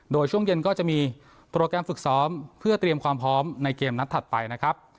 โดยช่วงเย็นก็จะมีโปรแกรมฝึกซ้อมเพื่อเตรียมความพร้อมในเกมนัดถัดไปนะครับ